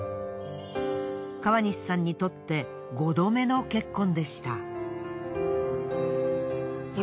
川西さんにとって５度目の結婚でした。